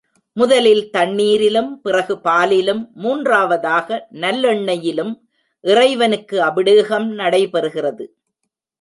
முதலில் தண்ணீரிலும் பிறகு பாலிலும், மூன்றாவதாக நல்லெண்ணெயிலும் இறைவனுக்கு அபிடேகம் நடைபெறுகிறது.